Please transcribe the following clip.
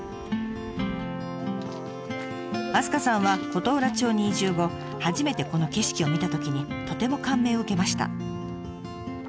明日香さんは琴浦町に移住後初めてこの景色を見たときにとても感銘を受けました。